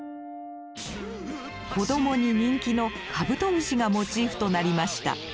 子どもに人気のカブトムシがモチーフとなりました。